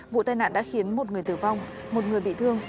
vụ tai nạn đã khiến một người tử vong một người bị thương